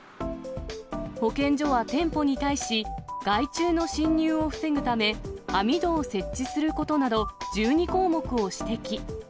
保健所は店舗に対し、害虫の侵入を防ぐため、網戸を設置することなど、１２項目を指摘。